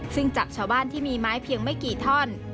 ซึ่งจากชาวบ้านที่มีไม้เพียงไม่กี่ท่อน